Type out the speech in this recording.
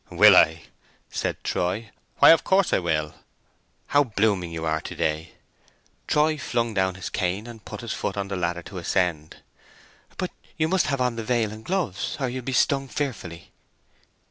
"Will I!" said Troy. "Why, of course I will. How blooming you are to day!" Troy flung down his cane and put his foot on the ladder to ascend. "But you must have on the veil and gloves, or you'll be stung fearfully!"